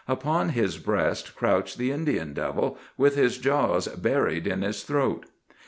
Upon his breast crouched the Indian devil, with its jaws buried in his throat.